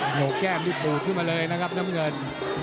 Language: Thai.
โหนกแก้มนี่ปูดขึ้นมาเลยนะครับน้ำเงิน